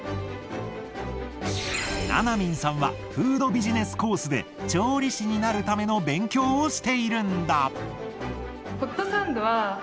ななみんさんはフードビジネスコースで調理師になるための勉強をしているんだ。